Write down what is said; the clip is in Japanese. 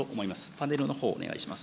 パネルのほうお願いします。